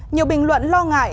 nhiều bình luận lo ngại